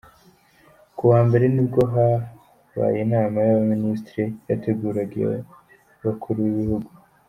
Ku wa Mbere nibwo habaye inama y’abaminisitiri yateguraga iy’abakuru b’ibihugu.